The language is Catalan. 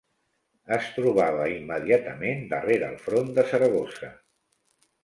Es trobava immediatament darrere el front de Saragossa.